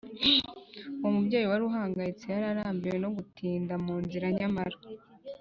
uwo mubyeyi wari uhangayitse yari arambiwe n’uko gutinda mu nzira, nyamara